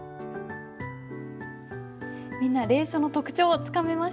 みんな隷書の特徴つかめましたね？